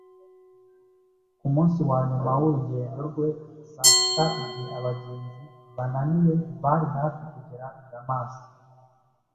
Ku munsi wa nyuma w’urugendo rwe, saa sita, igihe abagenzi bananiwe bari hafi kugera i Damasi,